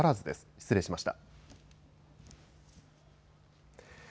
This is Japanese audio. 失礼しました。